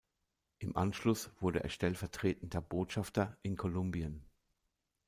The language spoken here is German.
Im Anschluss wurde er stellvertretender Botschafter in Kolumbien.